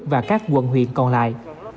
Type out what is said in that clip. và các quận huyện còn lại